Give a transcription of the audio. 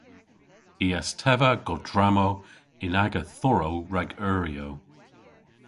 I a's teva godrammow yn aga thorrow rag euryow.